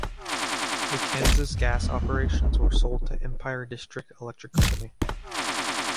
The Kansas gas operations were sold to Empire District Electric Company.